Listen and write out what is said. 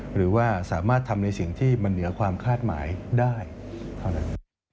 หรือว่าสามารถทำในสิ่งที่มันเหนือความคาดหมายได้เท่านั้น